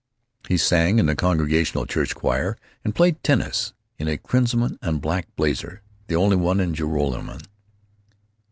He sang in the Congregational church choir, and played tennis in a crimson and black blazer—the only one in Joralemon.